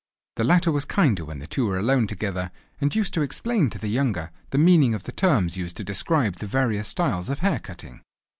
The latter was kinder when the two were alone together, and used to explain to the younger the meaning of the terms used to describe the various styles of hair cutting.